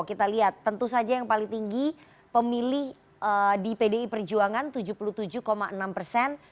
kita lihat tentu saja yang paling tinggi pemilih di pdi perjuangan tujuh puluh tujuh enam persen